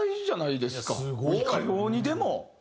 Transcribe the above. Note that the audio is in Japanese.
いかようにでも。